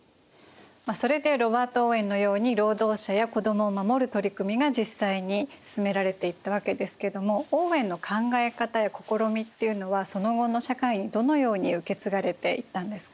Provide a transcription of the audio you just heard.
まあそれでロバート・オーウェンのように労働者や子どもを守る取り組みが実際に進められていったわけですけどもオーウェンの考え方や試みっていうのはその後の社会にどのように受け継がれていったんですか？